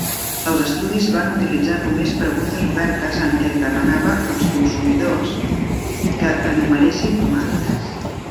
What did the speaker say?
Els estudis van utilitzar només preguntes obertes en què es demanava als consumidors que enumeressin marques.